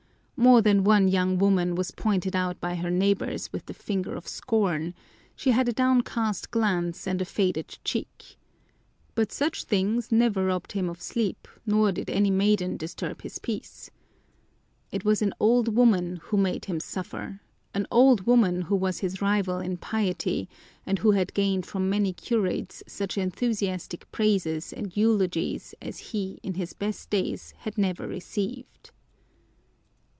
More than one young woman was pointed out by her neighbors with the finger of scorn: she had a downcast glance and a faded cheek. But such things never robbed him of sleep nor did any maiden disturb his peace. It was an old woman who made him suffer, an old woman who was his rival in piety and who had gained from many curates such enthusiastic praises and eulogies as he in his best days had never received.